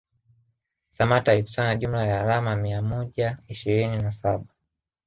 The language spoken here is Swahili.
Samatta alikusanya jumla ya alama mia moja ishirini na saba